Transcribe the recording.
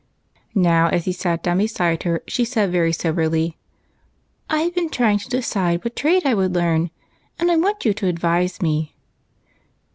Now, as he sat down beside her, she said, very so berly, — "I've been trying to decide what trade I would learn, and I want you to advise me."